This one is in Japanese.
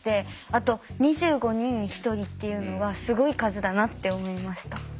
あと２５人に１人っていうのはすごい数だなって思いました。